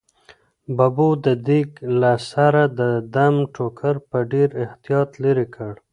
ببو د دېګ له سره د دم ټوکر په ډېر احتیاط لیرې کړ.